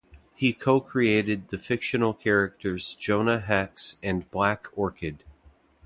He co-created the fictional characters Jonah Hex and Black Orchid.